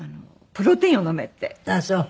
ああそう！